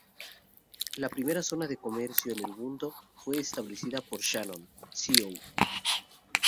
La primera zona de comercio en el mundo, fue establecida por Shannon, Co.